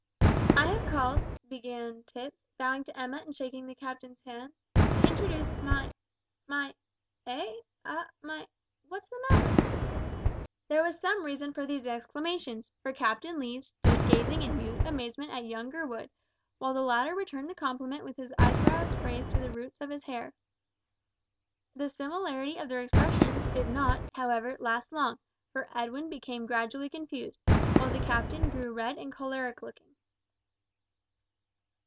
"I have called," began Tipps, bowing to Emma and shaking the captain's hand, "to introduce my my eh! ah, my what's the matter?" There was some reason for these exclamations, for Captain Lee stood gazing in mute amazement at young Gurwood, while the latter returned the compliment with his eyebrows raised to the roots of his hair. The similarity of their expressions did not, however, last long, for Edwin became gradually confused, while the captain grew red and choleric looking.